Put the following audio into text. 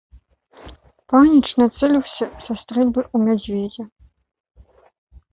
Паніч нацэліўся са стрэльбы ў мядзведзя.